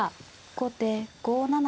後手５七歩。